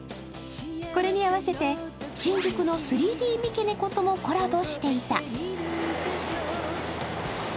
これに合わせて、新宿の３Ｄ三毛猫ともコラボしていた。